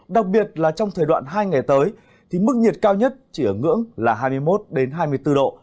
đặc biệt là trong thời đoạn hai ngày tới thì mức nhiệt cao nhất chỉ ở ngưỡng là hai mươi một hai mươi bốn độ